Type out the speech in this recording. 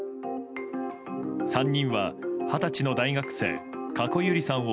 ３人は、二十歳の大学生加古結莉さんを